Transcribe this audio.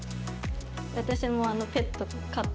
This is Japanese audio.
私もペット飼ってるんで。